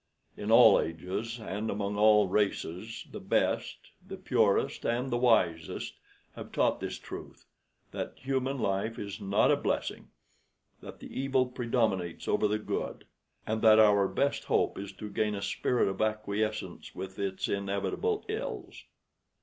In all ages and among all races the best, the purest, and the wisest have taught this truth that human life is not a blessing; that the evil predominates over the good; and that our best hope is to gain a spirit of acquiescence with its inevitable ills.